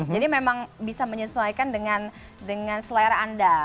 jadi memang bisa menyesuaikan dengan selera anda